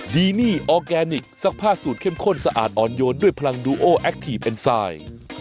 ดีนี่ออร์แกนิคซักผ้าสูตรเข้มข้นสะอาดอ่อนโยนด้วยพลังดูโอแอคทีฟเอ็นไซด์